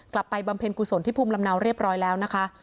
บำเพ็ญกุศลที่ภูมิลำเนาเรียบร้อยแล้วนะคะ